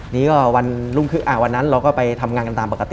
นี่ก็วันรุ่งขึ้นวันนั้นเราก็ไปทำงานกันตามปกติ